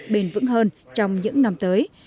bền vững hơn trong những năm tới